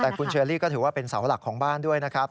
แต่คุณเชอรี่ก็ถือว่าเป็นเสาหลักของบ้านด้วยนะครับ